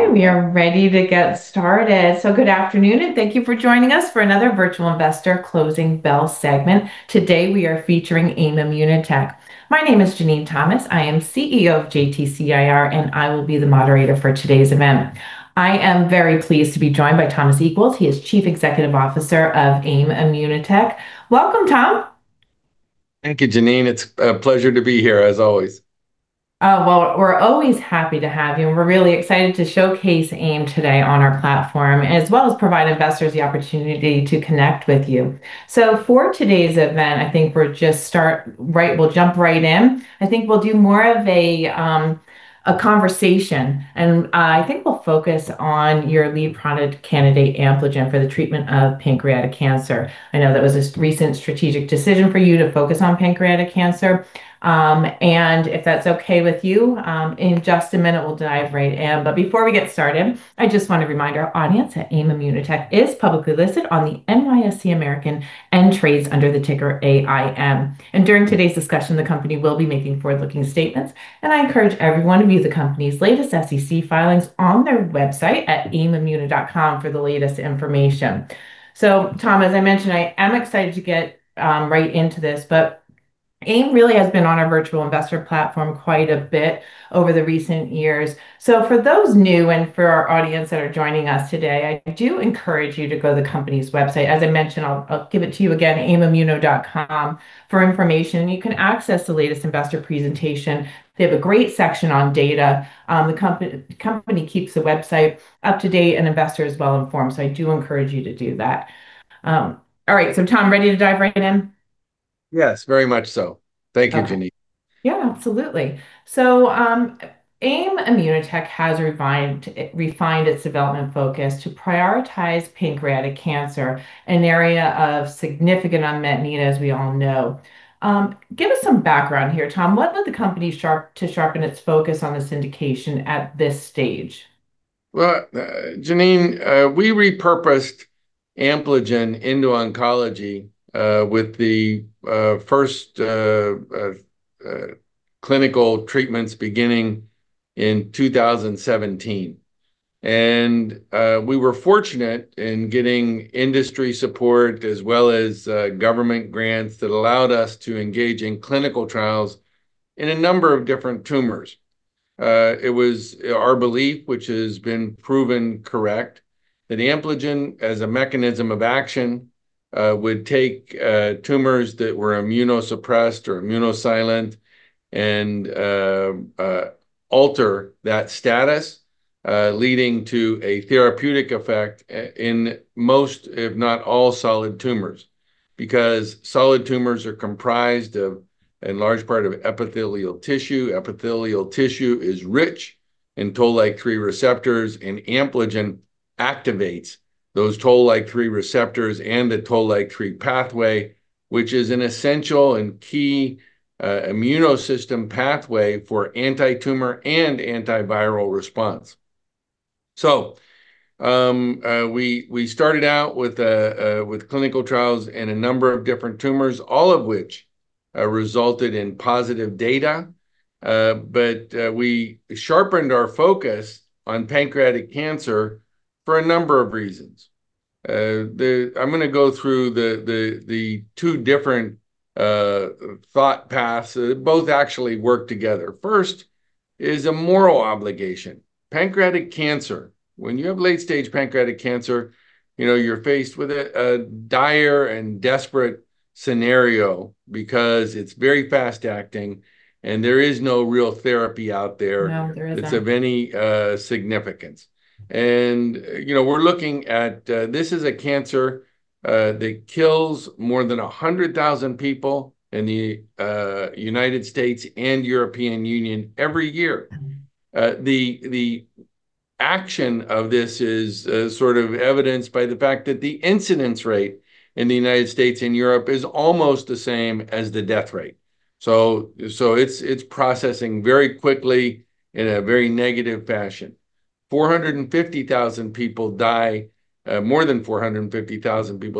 Okay, we are ready to get started. So good afternoon, and thank you for joining us for another Virtual Investor Closing Bell segment. Today, we are featuring AIM ImmunoTech. My name is Jenene Thomas. I am CEO of JTC IR, and I will be the moderator for today's event. I am very pleased to be joined by Thomas Equels. He is Chief Executive Officer of AIM ImmunoTech. Welcome, Tom. Thank you, Jenene. It's a pleasure to be here, as always. Oh, well, we're always happy to have you, and we're really excited to showcase AIM today on our platform, as well as provide investors the opportunity to connect with you. So for today's event, I think we're just starting, right—we'll jump right in. I think we'll do more of a conversation, and I think we'll focus on your lead product candidate, Ampligen, for the treatment of pancreatic cancer. I know that was a recent strategic decision for you to focus on pancreatic cancer. And if that's okay with you, in just a minute, we'll dive right in. But before we get started, I just want to remind our audience that AIM ImmunoTech is publicly listed on the NYSE American and trades under the ticker AIM. During today's discussion, the company will be making forward-looking statements, and I encourage everyone to view the company's latest SEC filings on their website at aimimmuno.com for the latest information. So, Tom, as I mentioned, I am excited to get right into this, but AIM really has been on our Virtual Investor platform quite a bit over the recent years. For those new and for our audience that are joining us today, I do encourage you to go to the company's website. As I mentioned, I'll give it to you again, aimimmuno.com, for information, and you can access the latest investor presentation. They have a great section on data. The company keeps the website up to date and investors well informed, so I do encourage you to do that. All right, so, Tom, ready to dive right in? Yes, very much so. Okay. Thank you, Jenene. Yeah, absolutely. AIM ImmunoTech has refined its development focus to prioritize pancreatic cancer, an area of significant unmet need, as we all know. Give us some background here, Tom. What led the company to sharpen its focus on this indication at this stage? Well, Jenene, we repurposed Ampligen into oncology, with the first clinical treatments beginning in 2017. We were fortunate in getting industry support, as well as, government grants that allowed us to engage in clinical trials in a number of different tumors. It was our belief, which has been proven correct, that Ampligen, as a mechanism of action, would take tumors that were immunosuppressed or immune-silent, and alter that status, leading to a therapeutic effect in most, if not all, solid tumors. Because solid tumors are comprised of, in large part, of epithelial tissue. Epithelial tissue is rich in Toll-like 3 receptors, and Ampligen activates those Toll-like 3 receptors and the Toll-like 3 pathway, which is an essential and key immune system pathway for anti-tumor and antiviral response. So, we started out with clinical trials in a number of different tumors, all of which resulted in positive data. But we sharpened our focus on pancreatic cancer for a number of reasons. I'm gonna go through the two different thought paths. Both actually work together. First is a moral obligation. Pancreatic cancer, when you have late-stage pancreatic cancer, you know, you're faced with a dire and desperate scenario because it's very fast-acting, and there is no real therapy out there. No, there isn't.... that's of any significance. And, you know, we're looking at, this is a cancer that kills more than 100,000 people in the United States and European Union every year. Mm-hmm. The action of this is sort of evidenced by the fact that the incidence rate in the United States and Europe is almost the same as the death rate. So it's processing very quickly in a very negative fashion. More than 450,000 people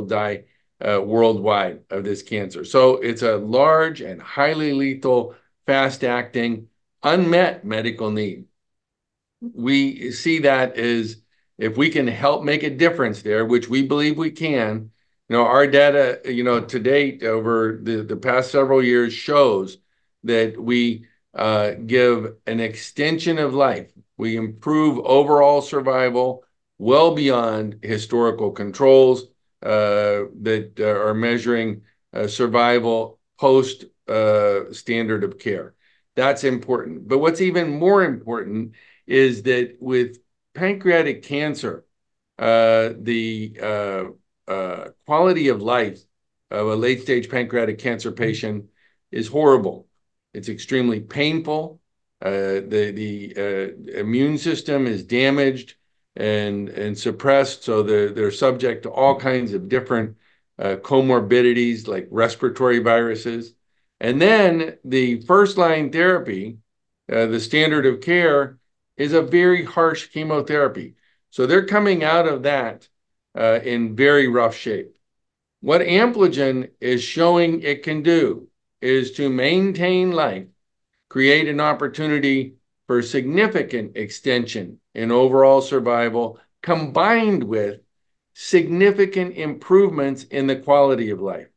die worldwide of this cancer. So it's a large and highly lethal, fast-acting, unmet medical need. We see that as if we can help make a difference there, which we believe we can. You know, our data, you know, to date, over the past several years, shows that we give an extension of life. We improve overall survival well beyond historical controls that are measuring survival post standard of care. That's important. But what's even more important is that with pancreatic cancer, the quality of life of a late-stage pancreatic cancer patient is horrible. It's extremely painful. The immune system is damaged and suppressed, so they're subject to all kinds of different comorbidities, like respiratory viruses. And then the first-line therapy, the standard of care, is a very harsh chemotherapy, so they're coming out of that, in very rough shape. What Ampligen is showing it can do is to maintain life, create an opportunity for significant extension in overall survival, combined with significant improvements in the quality of life.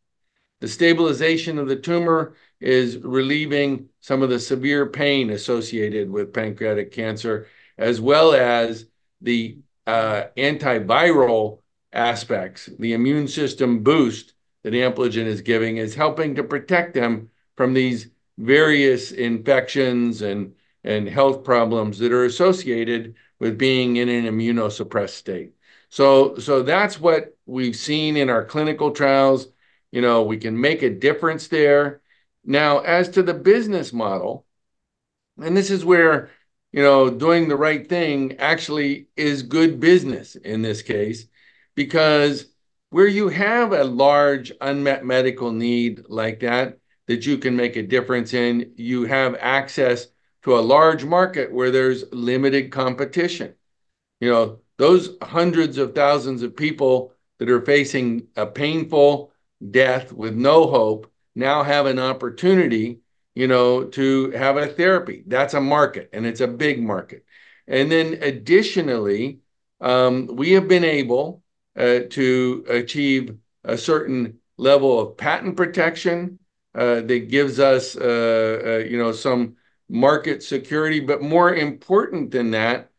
The stabilization of the tumor is relieving some of the severe pain associated with pancreatic cancer, as well as the antiviral aspects. The immune system boost that Ampligen is giving is helping to protect them from these various infections and health problems that are associated with being in an immunosuppressed state. So that's what we've seen in our clinical trials. You know, we can make a difference there. Now, as to the business model, and this is where, you know, doing the right thing actually is good business in this case, because where you have a large, unmet medical need like that, that you can make a difference in, you have access to a large market where there's limited competition. You know, those hundreds of thousands of people that are facing a painful death with no hope now have an opportunity, you know, to have a therapy. That's a market, and it's a big market. Then additionally, we have been able to achieve a certain level of patent protection that gives us, you know, some market security. But more important than that,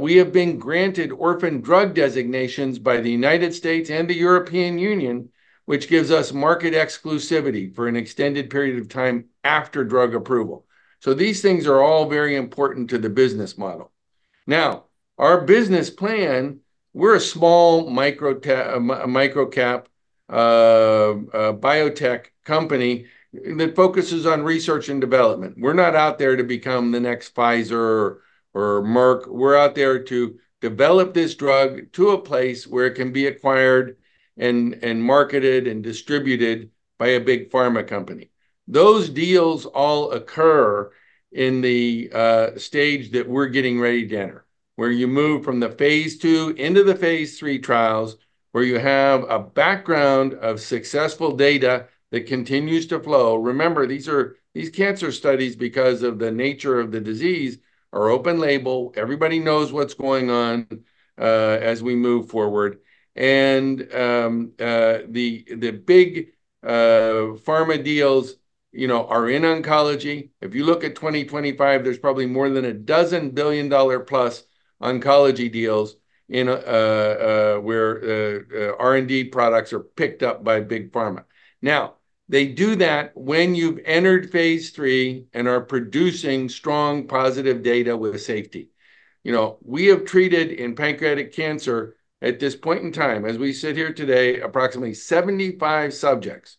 we have been granted orphan drug designations by the United States and the European Union, which gives us market exclusivity for an extended period of time after drug approval. These things are all very important to the business model. Now, our business plan, we're a small microcap biotech company that focuses on research and development. We're not out there to become the next Pfizer or Merck. We're out there to develop this drug to a place where it can be acquired, and marketed, and distributed by a big pharma company. Those deals all occur in the stage that we're getting ready to enter, where you move from the Phase 2 into the Phase 3 trials, where you have a background of successful data that continues to flow. Remember, these are cancer studies, because of the nature of the disease, are open label. Everybody knows what's going on as we move forward. The big pharma deals, you know, are in oncology. If you look at 2025, there's probably more than a dozen $1 billion+ oncology deals where R&D products are picked up by big pharma. Now, they do that when you've entered phase III and are producing strong, positive data with safety. You know, we have treated, in pancreatic cancer at this point in time, as we sit here today, approximately 75 subjects.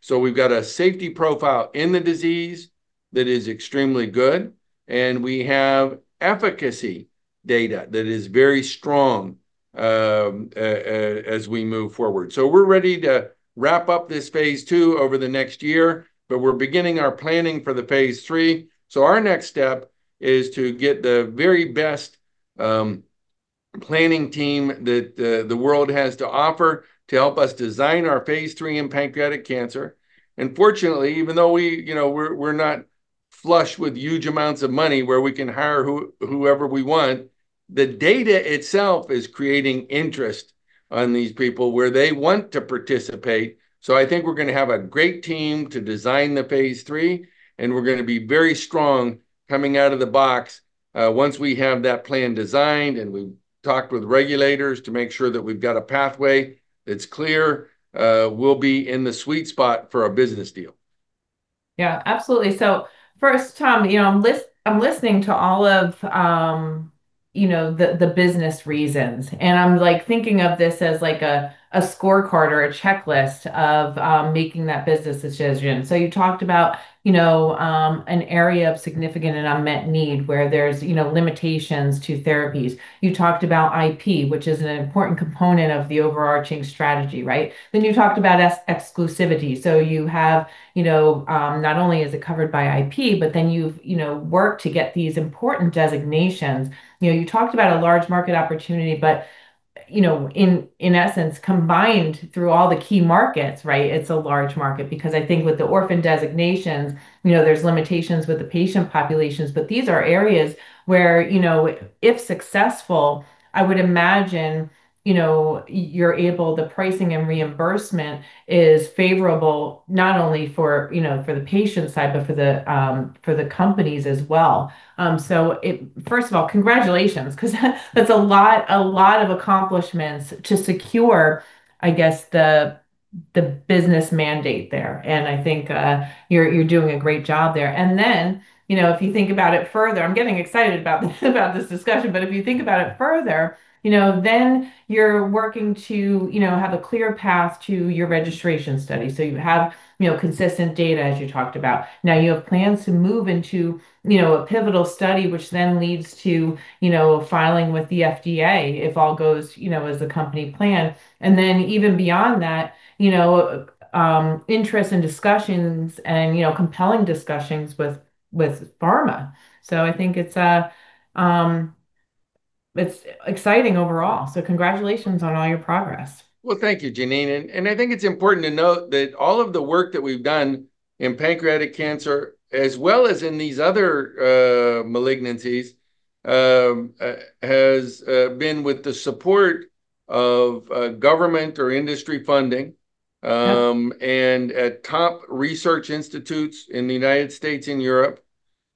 So we've got a safety profile in the disease that is extremely good, and we have efficacy data that is very strong as we move forward. So we're ready to wrap up this Phase 2 over the next year, but we're beginning our planning for the Phase 3. So our next step is to get the very best planning team that the world has to offer to help us design our Phase 3 in pancreatic cancer. And fortunately, even though we, you know, we're not flushed with huge amounts of money, where we can hire whoever we want, the data itself is creating interest on these people, where they want to participate. So I think we're gonna have a great team to design the Phase 3, and we're gonna be very strong coming out of the box. Once we have that plan designed, and we've talked with regulators to make sure that we've got a pathway that's clear, we'll be in the sweet spot for a business deal. Yeah, absolutely. So first, Tom, you know, I'm listening to all of, you know, the business reasons, and I'm, like, thinking of this as, like, a scorecard or a checklist of making that business decision. So you talked about, you know, an area of significant and unmet need, where there's, you know, limitations to therapies. You talked about IP, which is an important component of the overarching strategy, right? Then, you talked about exclusivity. So you have, you know, not only is it covered by IP, but then you've, you know, worked to get these important designations. You know, you talked about a large market opportunity, but, you know, in essence, combined through all the key markets, right, it's a large market. Because I think with the orphan designations, you know, there's limitations with the patient populations, but these are areas where, you know, if successful, I would imagine, you know, the pricing and reimbursement is favorable, not only for, you know, for the patient side, but for the companies as well. So first of all, congratulations, 'cause that's a lot, a lot of accomplishments to secure, I guess, the business mandate there, and I think you're doing a great job there. And then, you know, if you think about it further. I'm getting excited about this discussion. But if you think about it further, you know, then you're working to, you know, have a clear path to your registration study. So you have, you know, consistent data, as you talked about. Now, you have plans to move into, you know, a pivotal study, which then leads to, you know, filing with the FDA, if all goes, you know, as the company planned. And then, even beyond that, you know, interest and discussions and, you know, compelling discussions with pharma. So I think it's—it's exciting overall, so congratulations on all your progress. Well, thank you, Jenene, and I think it's important to note that all of the work that we've done in pancreatic cancer, as well as in these other malignancies, has been with the support of government or industry funding. Yeah... and at top research institutes in the United States and Europe,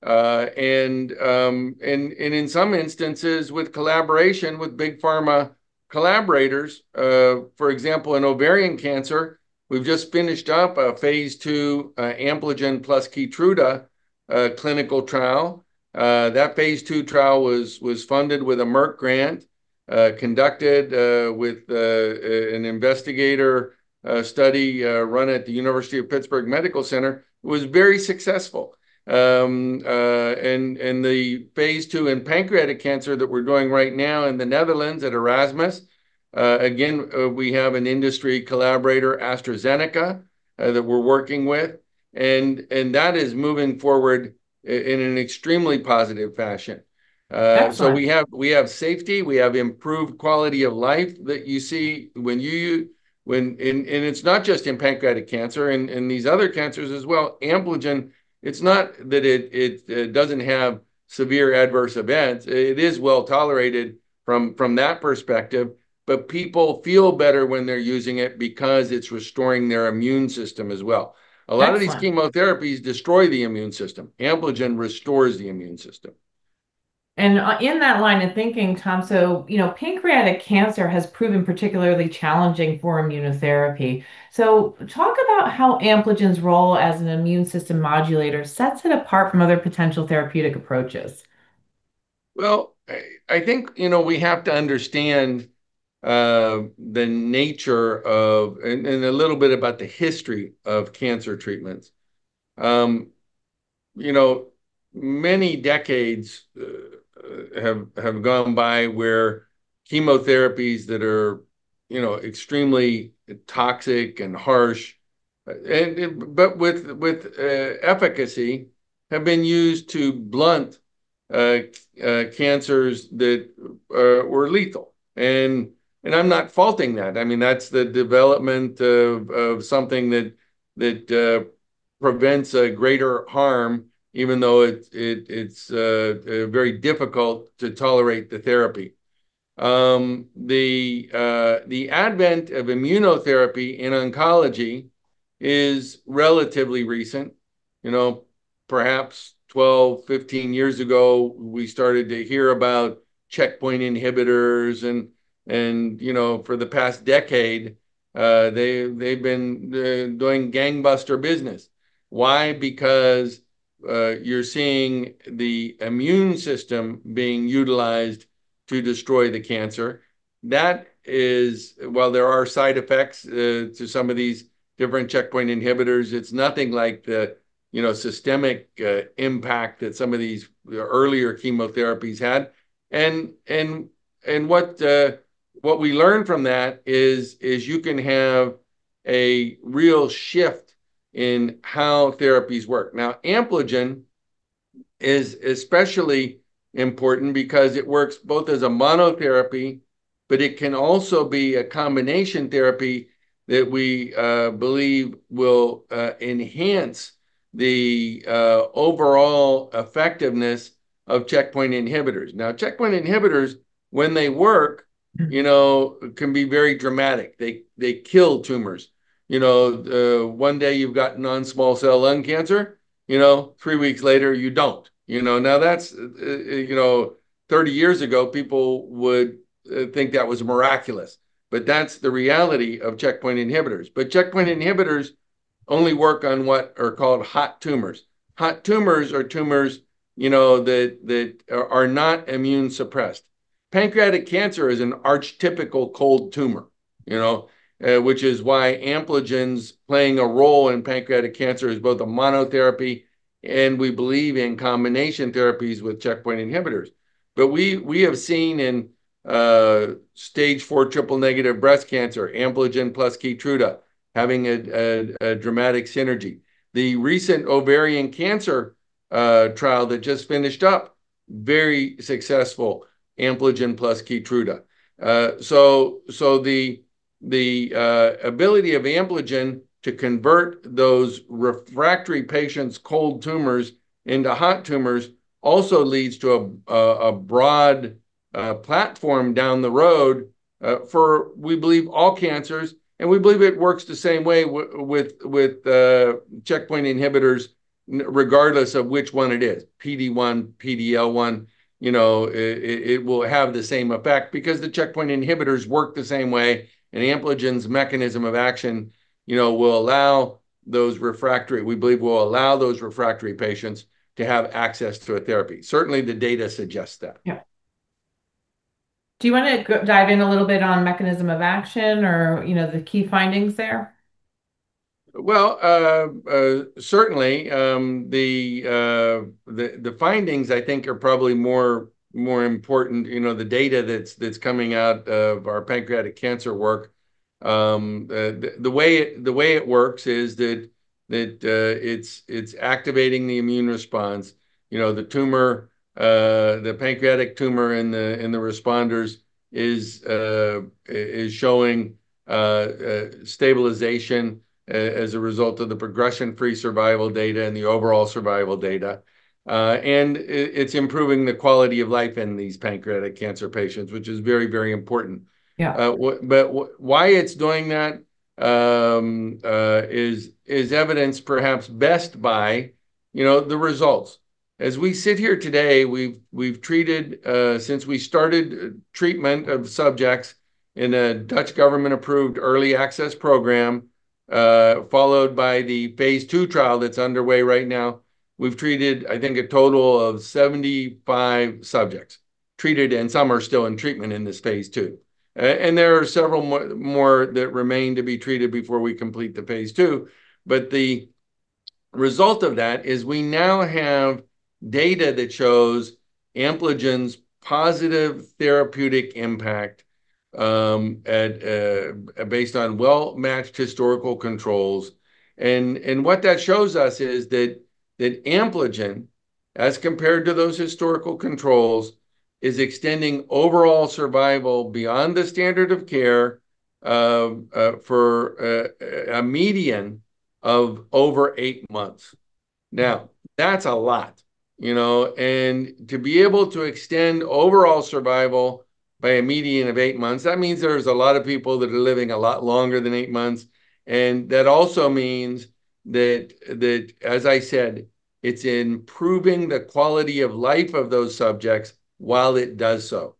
and in some instances, with collaboration with big pharma collaborators. For example, in ovarian cancer, we've just finished up a Phase 2 Ampligen plus Keytruda clinical trial. That Phase 2 trial was funded with a Merck grant, conducted with an investigator, a study run at the University of Pittsburgh Medical Center. It was very successful. And the Phase 2 in pancreatic cancer that we're doing right now in the Netherlands at Erasmus, again, we have an industry collaborator, AstraZeneca, that we're working with, and that is moving forward in an extremely positive fashion. Excellent. So we have safety, we have improved quality of life that you see when... And it's not just in pancreatic cancer. In these other cancers as well, Ampligen. It's not that it doesn't have severe adverse events. It is well-tolerated from that perspective, but people feel better when they're using it because it's restoring their immune system as well. Excellent. A lot of these chemotherapies destroy the immune system. Ampligen restores the immune system. In that line of thinking, Tom, so, you know, pancreatic cancer has proven particularly challenging for immunotherapy. So talk about how Ampligen's role as an immune system modulator sets it apart from other potential therapeutic approaches. Well, I think, you know, we have to understand the nature of... and a little bit about the history of cancer treatments. You know, many decades have gone by where chemotherapies that are, you know, extremely toxic and harsh, and but with efficacy, have been used to blunt cancers that were lethal. And I'm not faulting that. I mean, that's the development of something that prevents a greater harm, even though it's very difficult to tolerate the therapy. The advent of immunotherapy in oncology is relatively recent. You know, perhaps 12, 15 years ago, we started to hear about checkpoint inhibitors, and, you know, for the past decade, they've been doing gangbuster business. Why? Because, you're seeing the immune system being utilized to destroy the cancer. That is, while there are side effects to some of these different checkpoint inhibitors, it's nothing like the, you know, systemic impact that some of these, the earlier chemotherapies had. And what we learned from that is you can have a real shift in how therapies work. Now, Ampligen is especially important because it works both as a monotherapy, but it can also be a combination therapy that we believe will enhance the overall effectiveness of checkpoint inhibitors. Now, checkpoint inhibitors, when they work- Mm... you know, can be very dramatic. They kill tumors. You know, one day you've got non-small cell lung cancer, you know, three weeks later, you don't. You know, now, that's, you know, 30 years ago, people would think that was miraculous, but that's the reality of checkpoint inhibitors. But checkpoint inhibitors only work on what are called hot tumors. Hot tumors are tumors, you know, that are not immune-suppressed. Pancreatic cancer is an archetypical cold tumor, you know, which is why Ampligen's playing a role in pancreatic cancer as both a monotherapy and, we believe, in combination therapies with checkpoint inhibitors. But we have seen in Stage 4 triple-negative breast cancer, Ampligen plus Keytruda, having a dramatic synergy. The recent ovarian cancer trial that just finished up, very successful, Ampligen plus Keytruda. So the ability of Ampligen to convert those refractory patients' cold tumors into hot tumors also leads to a broad platform down the road for we believe all cancers, and we believe it works the same way with checkpoint inhibitors, regardless of which one it is, PD-1, PD-L1. You know, it will have the same effect because the checkpoint inhibitors work the same way, and Ampligen's mechanism of action, you know, will allow those refractory patients to have access to a therapy. Certainly, the data suggests that. Yeah. Do you wanna dive in a little bit on mechanism of action or, you know, the key findings there? Well, certainly, the findings, I think, are probably more important. You know, the data that's coming out of our pancreatic cancer work, the way it works is that it's activating the immune response. You know, the tumor, the pancreatic tumor in the responders is showing stabilization as a result of the progression-free survival data and the overall survival data. And it's improving the quality of life in these pancreatic cancer patients, which is very, very important. Yeah. But why it's doing that is evidenced perhaps best by, you know, the results. As we sit here today, we've, we've treated. Since we started treatment of subjects in a Dutch government-approved Early Access Program, followed by the Phase 2 trial that's underway right now, we've treated, I think, a total of 75 subjects. Treated, and some are still in treatment in this Phase 2. And there are several more that remain to be treated before we complete the Phase 2. But the result of that is we now have data that shows Ampligen's positive therapeutic impact based on well-matched historical controls. And what that shows us is that Ampligen, as compared to those historical controls, is extending overall survival beyond the standard of care for a median of over eight months. Now, that's a lot, you know? And to be able to extend overall survival by a median of eight months, that means there's a lot of people that are living a lot longer than eight months, and that also means that, that, as I said, it's improving the quality of life of those subjects while it does so.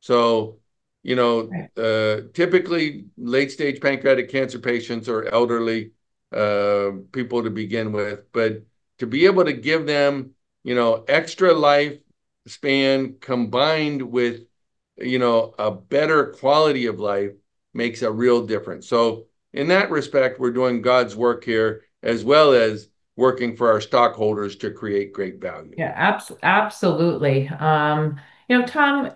So, you know- Right... typically, late-stage pancreatic cancer patients are elderly, people to begin with. But to be able to give them, you know, extra life span combined with, you know, a better quality of life, makes a real difference. So in that respect, we're doing God's work here, as well as working for our stockholders to create great value. Yeah, absolutely. You know, Tom,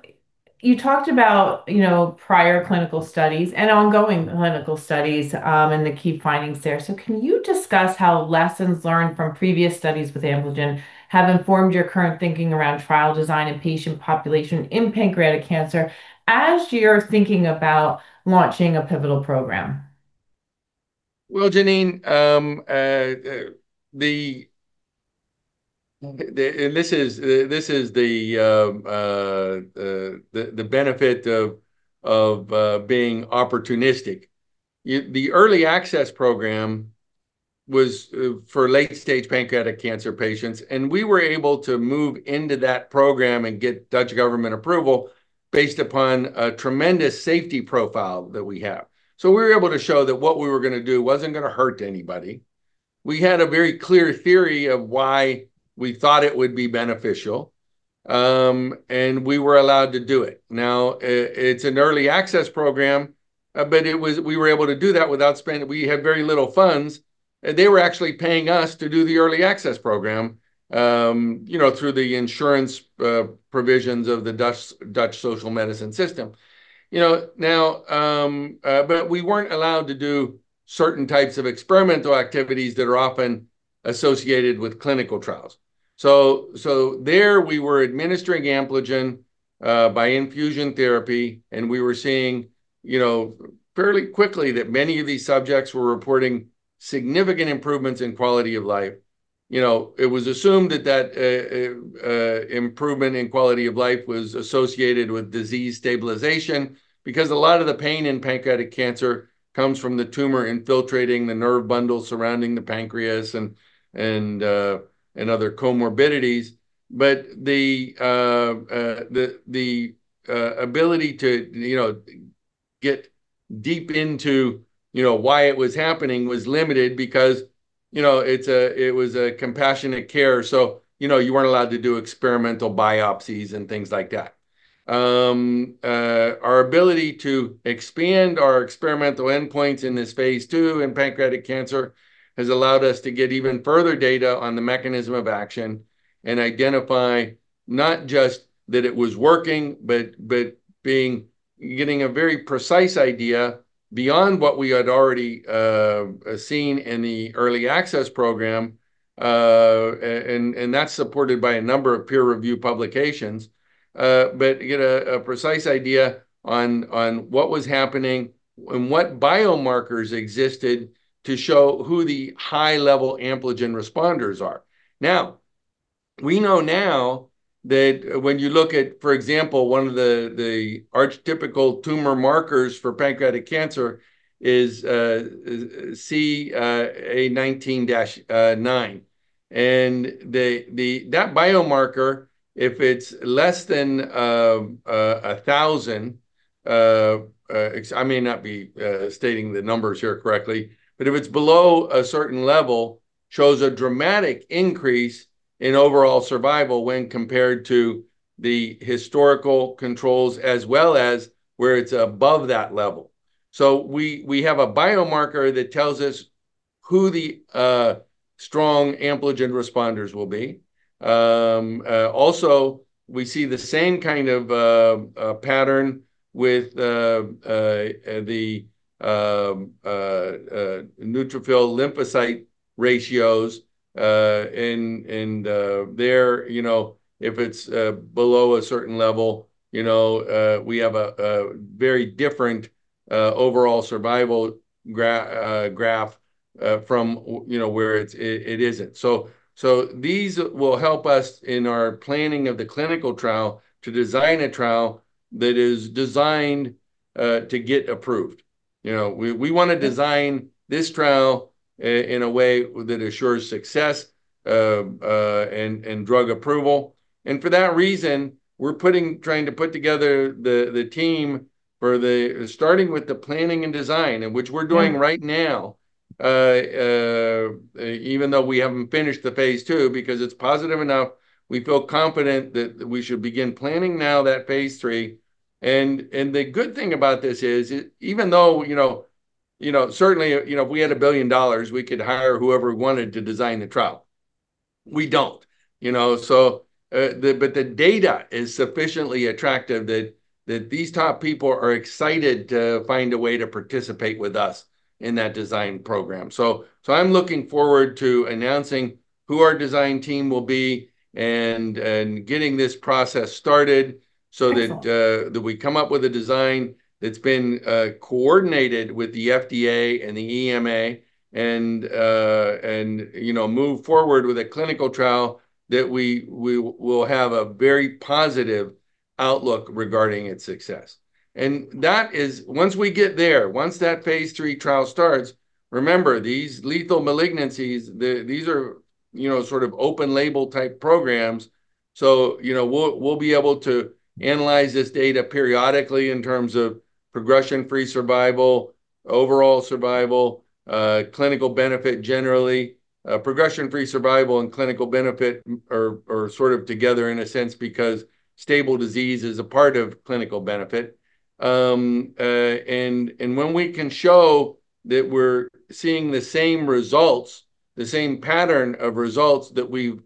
you talked about, you know, prior clinical studies and ongoing clinical studies, and the key findings there. Can you discuss how lessons learned from previous studies with Ampligen have informed your current thinking around trial design and patient population in pancreatic cancer, as you're thinking about launching a pivotal program? Well, Jenene, and this is the benefit of being opportunistic. The early access program was for late-stage pancreatic cancer patients, and we were able to move into that program and get Dutch government approval based upon a tremendous safety profile that we have. So we were able to show that what we were gonna do wasn't gonna hurt anybody. We had a very clear theory of why we thought it would be beneficial, and we were allowed to do it. Now, it's an early access program, but we were able to do that without spending... We had very little funds, and they were actually paying us to do the early access program, you know, through the insurance provisions of the Dutch social medicine system. You know, now, but we weren't allowed to do certain types of experimental activities that are often associated with clinical trials. So there, we were administering Ampligen by infusion therapy, and we were seeing, you know, fairly quickly that many of these subjects were reporting significant improvements in quality of life. You know, it was assumed that improvement in quality of life was associated with disease stabilization, because a lot of the pain in pancreatic cancer comes from the tumor infiltrating the nerve bundles surrounding the pancreas, and other comorbidities. But the ability to, you know, get deep into, you know, why it was happening was limited because, you know, it was a compassionate care, so, you know, you weren't allowed to do experimental biopsies and things like that. Our ability to expand our experimental endpoints in this Phase 2 in pancreatic cancer has allowed us to get even further data on the mechanism of action and identify not just that it was working, but getting a very precise idea beyond what we had already seen in the early access program. And that's supported by a number of peer-reviewed publications. But get a precise idea on what was happening and what biomarkers existed to show who the high-level Ampligen responders are. Now, we know that when you look at, for example, one of the archetypal tumor markers for pancreatic cancer is CA19-9. And that biomarker, if it's less than 1,000... I may not be stating the numbers here correctly, but if it's below a certain level, shows a dramatic increase in overall survival when compared to the historical controls, as well as where it's above that level. So we have a biomarker that tells us who the strong Ampligen responders will be. Also, we see the same kind of pattern with the neutrophil/lymphocyte ratios. And there, you know, if it's below a certain level, you know, we have a very different overall survival graph from where it's, it isn't. So these will help us in our planning of the clinical trial, to design a trial that is designed to get approved. You know, we wanna design- Yeah... this trial in a way that assures success and drug approval. For that reason, we're trying to put together the team starting with the planning and design, which we're doing- Yeah... right now. Even though we haven't finished the Phase 2, because it's positive enough, we feel confident that we should begin planning now that Phase 3. The good thing about this is, even though, you know, you know, certainly, you know, if we had $1 billion, we could hire whoever we wanted to design the trial. We don't, you know? So, but the data is sufficiently attractive that these top people are excited to find a way to participate with us in that design program. So, I'm looking forward to announcing who our design team will be, and getting this process started, so that- Excellent... that we come up with a design that's been coordinated with the FDA and the EMA, and you know, move forward with a clinical trial, that we will have a very positive outlook regarding its success. And that is once we get there, once that Phase 3 trial starts, remember, these lethal malignancies, these are you know, sort of open-label-type programs. So, you know, we'll be able to analyze this data periodically in terms of progression-free survival, overall survival, clinical benefit, generally. Progression-free survival and clinical benefit are sort of together in a sense, because stable disease is a part of clinical benefit. when we can show that we're seeing the same results, the same pattern of results that we've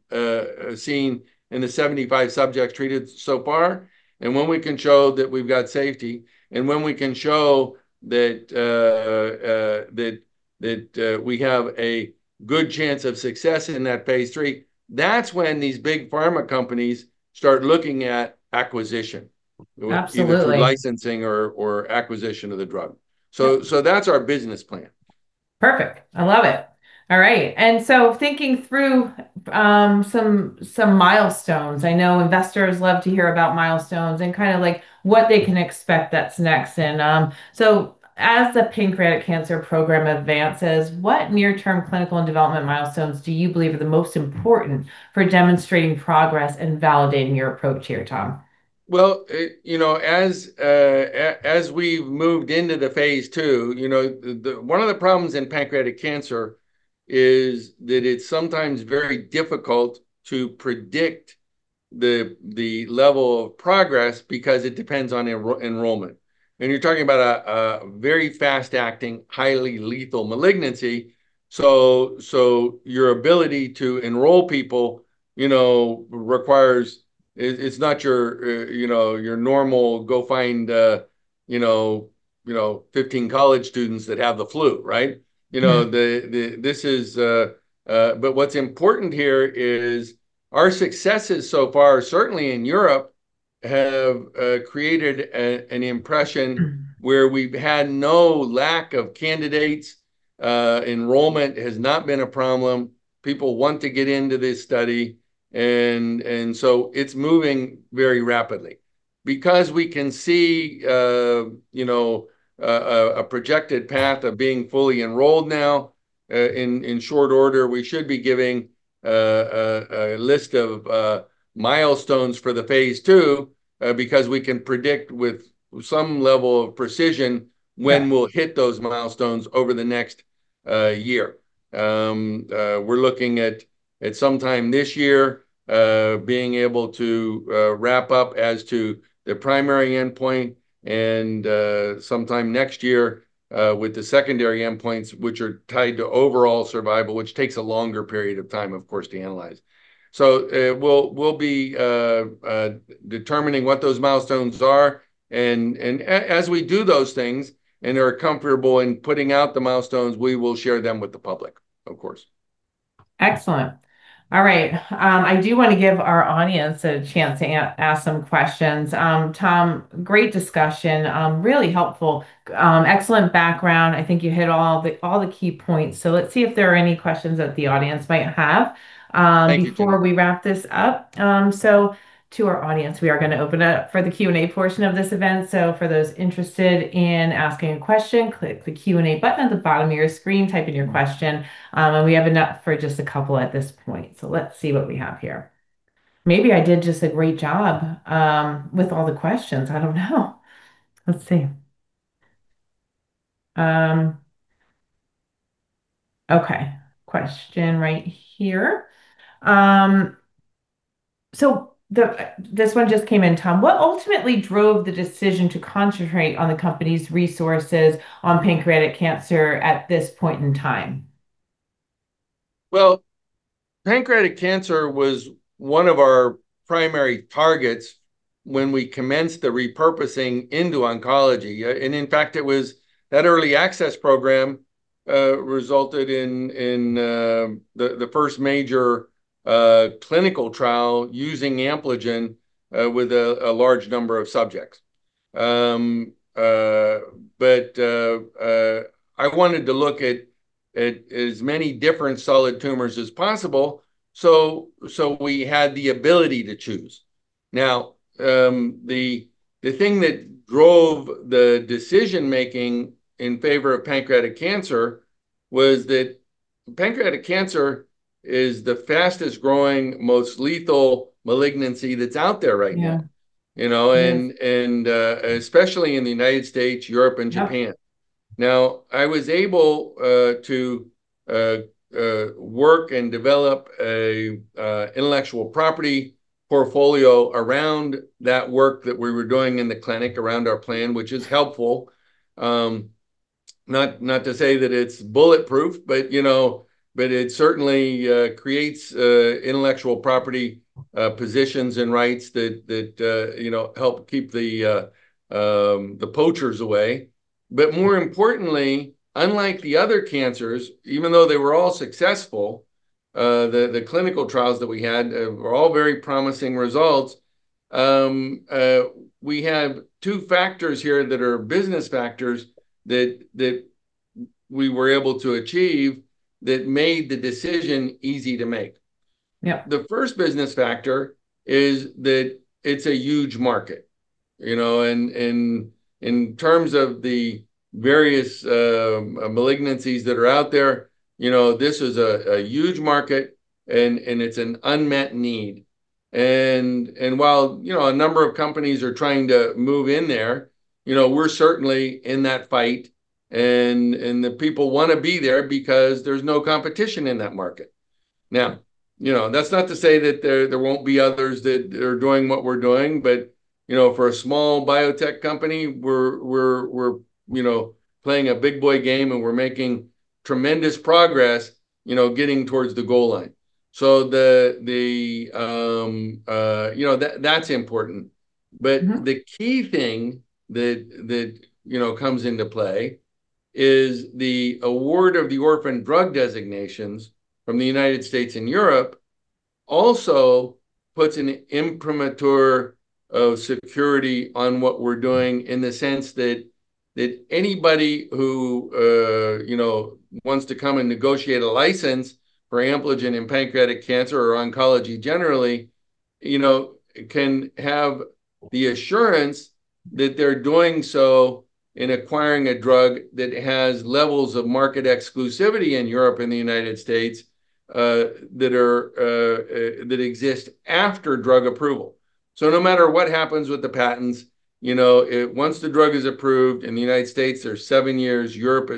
seen in the 75 subjects treated so far, and when we can show that we've got safety, and when we can show that we have a good chance of success in that Phase 3, that's when these big pharma companies start looking at acquisition- Absolutely ... either through licensing or acquisition of the drug. Yeah. So, that's our business plan. Perfect. I love it. All right, and so thinking through, some milestones, I know investors love to hear about milestones, and kinda, like, what they can expect that's next. And, so as the pancreatic cancer program advances, what near-term clinical and development milestones do you believe are the most important for demonstrating progress and validating your approach here, Tom? Well, you know, as we've moved into the Phase 2, you know, the one of the problems in pancreatic cancer is that it's sometimes very difficult to predict the level of progress, because it depends on enrollment. And you're talking about a very fast-acting, highly lethal malignancy, so your ability to enroll people, you know, requires... It's not your normal go find, you know, 15 college students that have the flu, right? Mm-hmm. You know, but what's important here is our successes so far, certainly in Europe, have created an impression- Mm... where we've had no lack of candidates. Enrollment has not been a problem. People want to get into this study, and so it's moving very rapidly. Because we can see, you know, a projected path of being fully enrolled now, in short order, we should be giving a list of milestones for the Phase 2, because we can predict with some level of precision- Yeah... when we'll hit those milestones over the next year. We're looking at sometime this year being able to wrap up as to the primary endpoint, and sometime next year with the secondary endpoints, which are tied to overall survival, which takes a longer period of time, of course, to analyze. So we'll be determining what those milestones are, and as we do those things, and are comfortable in putting out the milestones, we will share them with the public, of course. Excellent. All right, I do wanna give our audience a chance to ask some questions. Tom, great discussion. Really helpful, excellent background. I think you hit all the key points. So let's see if there are any questions that the audience might have- Thank you... before we wrap this up. So to our audience, we are gonna open it up for the Q&A portion of this event. So for those interested in asking a question, click the Q&A button at the bottom of your screen, type in your question. And we have enough for just a couple at this point. So let's see what we have here. Maybe I did just a great job with all the questions. I don't know. Let's see. Okay, question right here. So, this one just came in, Tom: "What ultimately drove the decision to concentrate on the company's resources on pancreatic cancer at this point in time? Well, pancreatic cancer was one of our primary targets when we commenced the repurposing into oncology. And in fact, it was that early access program resulted in the first major clinical trial using Ampligen with a large number of subjects. But I wanted to look at as many different solid tumors as possible, so we had the ability to choose. Now, the thing that drove the decision-making in favor of pancreatic cancer was that pancreatic cancer is the fastest-growing, most lethal malignancy that's out there right now. Yeah. You know? Yes. Especially in the United States, Europe, and Japan. Yep. Now, I was able to work and develop a intellectual property portfolio around that work that we were doing in the clinic around our plan, which is helpful. Not, not to say that it's bulletproof, but, you know, but it certainly creates intellectual property positions and rights that, that, you know, help keep the poachers away. But more importantly, unlike the other cancers, even though they were all successful, the, the clinical trials that we had were all very promising results, we have two factors here that are business factors that, that we were able to achieve that made the decision easy to make. Yeah. The first business factor is that it's a huge market, you know? And in terms of the various malignancies that are out there, you know, this is a huge market, and it's an unmet need. And while, you know, a number of companies are trying to move in there, you know, we're certainly in that fight, and the people wanna be there because there's no competition in that market. Now, you know, that's not to say that there won't be others that are doing what we're doing but, you know, for a small biotech company, we're playing a big boy game, and we're making tremendous progress, you know, getting towards the goal line. So, you know, that's important. Mm-hmm. But the key thing that, you know, comes into play is the award of the orphan drug designations from the United States and Europe also puts an imprimatur of security on what we're doing, in the sense that anybody who, you know, wants to come and negotiate a license for Ampligen in pancreatic cancer or oncology generally, you know, can have the assurance that they're doing so in acquiring a drug that has levels of market exclusivity in Europe and the United States, that exist after drug approval. So no matter what happens with the patents, you know, once the drug is approved, in the United States, there's seven years. Europe,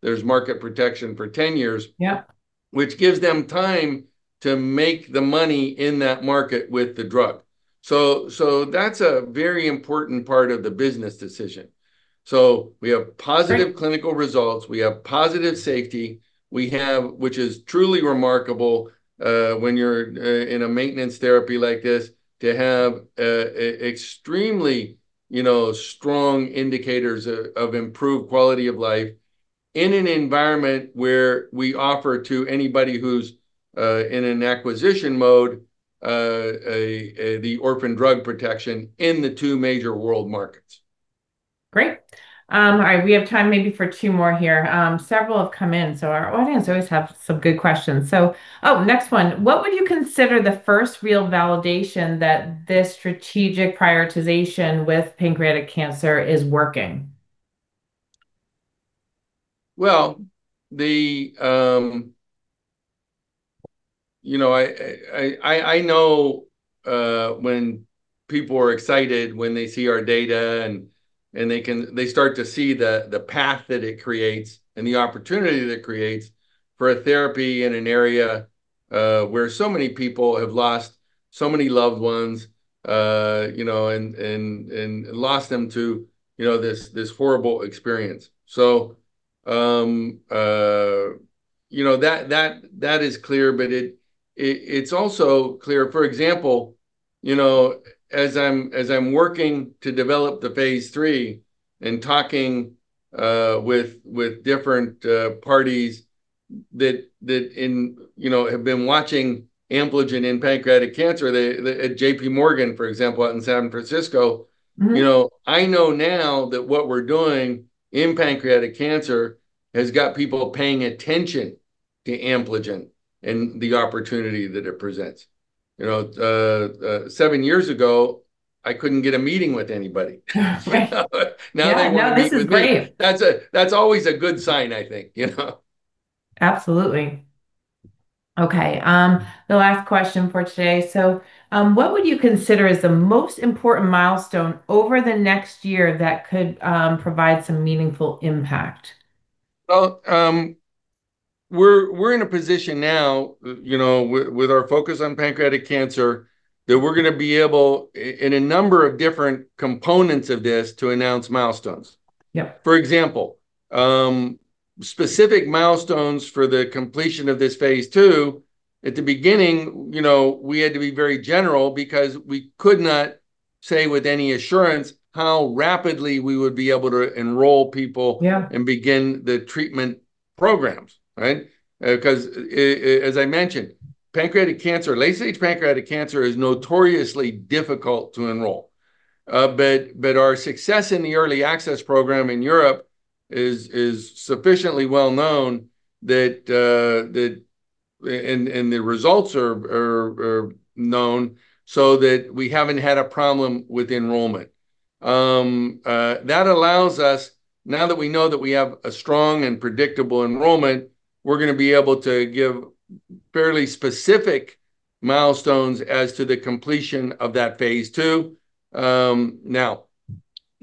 there's market protection for 10 years. Yeah... which gives them time to make the money in that market with the drug. So, that's a very important part of the business decision. So we have- Great ...positive clinical results. We have positive safety. We have, which is truly remarkable, when you're in a maintenance therapy like this, to have extremely, you know, strong indicators of improved quality of life in an environment where we offer to anybody who's in an acquisition mode the orphan drug protection in the two major world markets. Great. All right, we have time maybe for two more here. Several have come in, so our audience always have some good questions. So, oh, next one: "What would you consider the first real validation that this strategic prioritization with pancreatic cancer is working? Well, you know, I know when people are excited when they see our data, and they start to see the path that it creates and the opportunity that it creates for a therapy in an area where so many people have lost so many loved ones, you know, and lost them to, you know, this horrible experience. So, you know, that is clear, but it's also clear, for example, you know, as I'm working to develop the Phase 3 and talking with different parties that you know have been watching Ampligen in pancreatic cancer, at JP Morgan, for example, out in San Francisco. Mm-hmm... you know, I know now that what we're doing in pancreatic cancer has got people paying attention to Ampligen and the opportunity that it presents. You know, seven years ago, I couldn't get a meeting with anybody. Right. But now they wanna meet with me. Yeah, no, this is great. That's always a good sign, I think, you know? Absolutely. Okay, the last question for today: "So, what would you consider is the most important milestone over the next year that could provide some meaningful impact? Well, we're in a position now, you know, with our focus on pancreatic cancer, that we're gonna be able in a number of different components of this to announce milestones. Yeah. For example, specific milestones for the completion of this Phase 2, at the beginning, you know, we had to be very general because we could not say with any assurance how rapidly we would be able to enroll people- Yeah... and begin the treatment programs, right? 'Cause as I mentioned, pancreatic cancer, late-stage pancreatic cancer is notoriously difficult to enroll. But our success in the Early Access Program in Europe is sufficiently well known that that and the results are known, so that we haven't had a problem with enrollment. That allows us, now that we know that we have a strong and predictable enrollment, we're gonna be able to give fairly specific milestones as to the completion of that Phase 2. Now,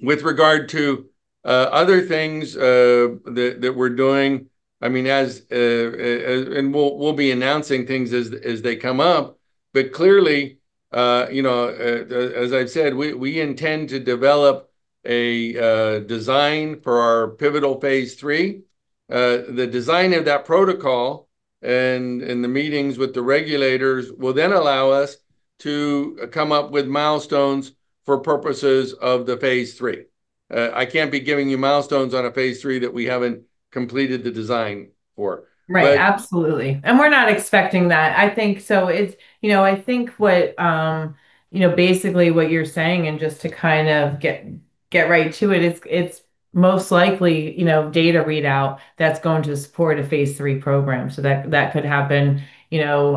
with regard to other things that we're doing, I mean, and we'll be announcing things as they come up. But clearly, you know, as I've said, we intend to develop a design for our pivotal Phase 3. The design of that protocol and the meetings with the regulators will then allow us to come up with milestones for purposes of the Phase 3. I can't be giving you milestones on a Phase 3 that we haven't completed the design for. Right. But- Absolutely, and we're not expecting that. I think, so it's... You know, I think what, you know, basically what you're saying, and just to kind of get right to it, it's most likely, you know, data readout that's going to support a Phase 3 program. So that could happen, you know,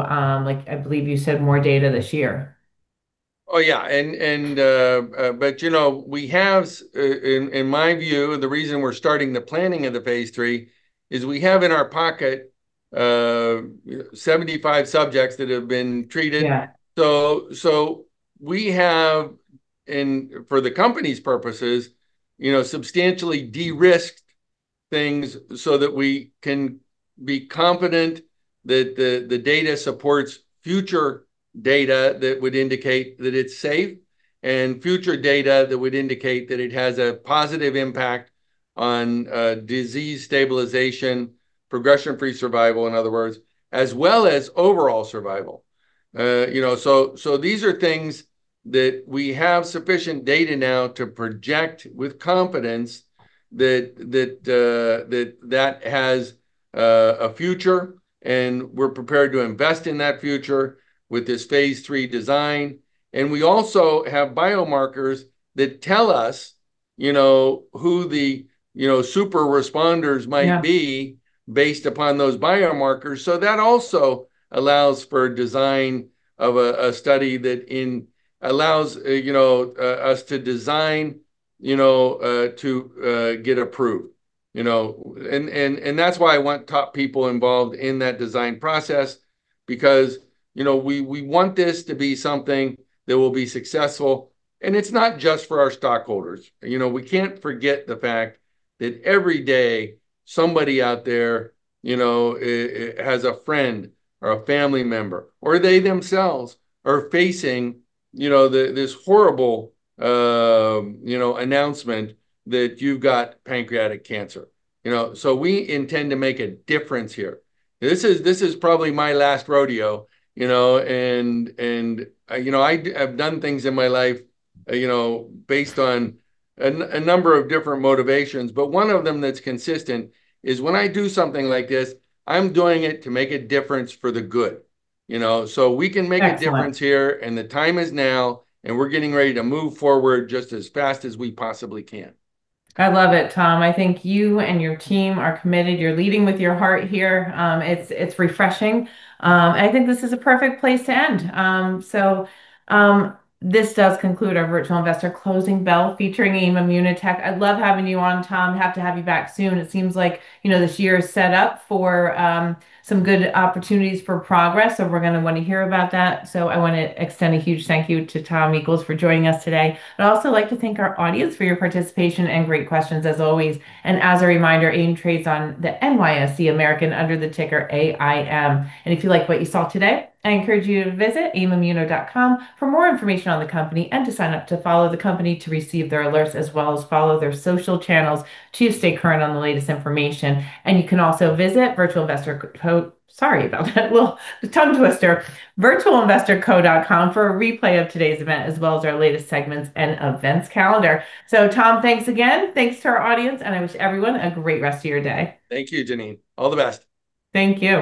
like, I believe you said, more data this year. Oh, yeah, but you know, we have in my view the reason we're starting the planning of the Phase 3 is we have in our pocket 75 subjects that have been treated. Yeah. So we have, and for the company's purposes, you know, substantially de-risked things so that we can be confident that the data supports future data that would indicate that it's safe, and future data that would indicate that it has a positive impact on, disease stabilization, progression-free survival, in other words, as well as overall survival. You know, so these are things that we have sufficient data now to project with confidence that that has a future, and we're prepared to invest in that future with this Phase 3 design. And we also have biomarkers that tell us, you know, who the, you know, super responders might be- Yeah... based upon those biomarkers. So that also allows for design of a study that allows, you know, us to design, you know, to get approved, you know. And that's why I want top people involved in that design process, because, you know, we want this to be something that will be successful. And it's not just for our stockholders. You know, we can't forget the fact that every day, somebody out there, you know, has a friend or a family member, or they themselves are facing, you know, this horrible, you know, announcement that you've got pancreatic cancer, you know. So we intend to make a difference here. This is probably my last rodeo, you know, and you know, I've done things in my life, you know, based on a number of different motivations, but one of them that's consistent is when I do something like this, I'm doing it to make a difference for the good, you know. Excellent. We can make a difference here, and the time is now, and we're getting ready to move forward just as fast as we possibly can. I love it, Tom. I think you and your team are committed. You're leading with your heart here. It's refreshing. And I think this is a perfect place to end. This does conclude our Virtual Investor Closing Bell, featuring AIM ImmunoTech. I love having you on, Tom. Have to have you back soon. It seems like, you know, this year is set up for some good opportunities for progress, so we're gonna want to hear about that. So I want to extend a huge thank you to Tom Equels for joining us today. I'd also like to thank our audience for your participation and great questions, as always. As a reminder, AIM trades on the NYSE American under the ticker AIM. If you like what you saw today, I encourage you to visit aimimmuno.com for more information on the company and to sign up to follow the company to receive their alerts, as well as follow their social channels to stay current on the latest information. You can also visit Virtual Investor Co.- sorry about that, little tongue twister, VirtualInvestorCo.com for a replay of today's event, as well as our latest segments and events calendar. So Tom, thanks again. Thanks to our audience, and I wish everyone a great rest of your day. Thank you, Jenene. All the best. Thank you.